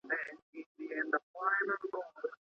هيچا ته اجازه مه ورکوئ چې انسان وپلوري.